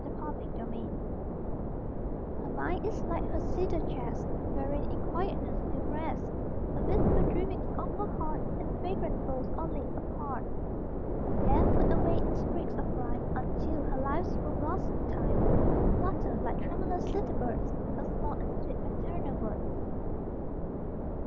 THE CEDAR CHEST Her mind is like her cedar chest Wherein in quietness do rest The wistful dreamings of her heart In fragrant folds all laid apart. There, put away in sprigs of rhyme Until her life's full blossom time, Flutter (like tremulous little birds) Her small and sweet maternal words.